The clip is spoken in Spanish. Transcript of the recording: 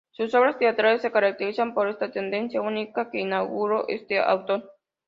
Sus obras teatrales se caracterizan por esta tendencia única que inaugura este autor.